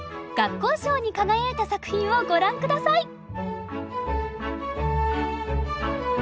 学校賞に輝いた作品をご覧下さい。